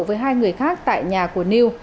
trần văn lân cùng với hai người khác tại nhà của niu